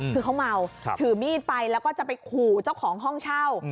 คือเขาเมาถือมีดไปแล้วก็จะไปขู่เจ้าของห้องเช่า